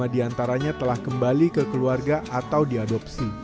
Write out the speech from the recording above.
lima diantaranya telah kembali ke keluarga atau diadopsi